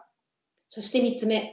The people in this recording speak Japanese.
そして３つ目。